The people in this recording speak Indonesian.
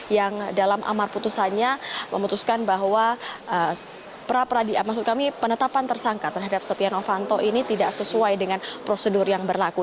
yang dalam amar putusannya memutuskan bahwa penetapan tersangka terhadap setia novanto ini tidak sesuai dengan prosedur yang berlaku